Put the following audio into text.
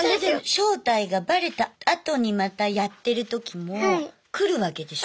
正体がバレたあとにまたやってる時も来るわけでしょ。